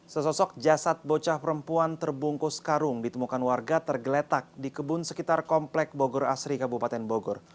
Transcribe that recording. sesosok jasad bocah perempuan terbungkus karung ditemukan warga tergeletak di kebun sekitar komplek bogor asri kabupaten bogor